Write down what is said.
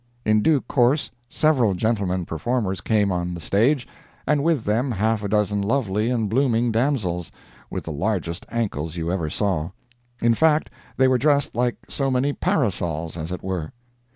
In due course several gentlemen performers came on the stage, and with them half a dozen lovely and blooming damsels, with the largest ankles you ever saw. In fact, they were dressed like so many parasols—as it were.